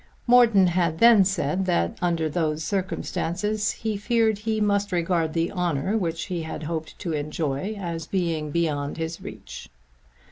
Morton had then said that under those circumstances he feared he must regard the honour which he had hoped to enjoy as being beyond his reach.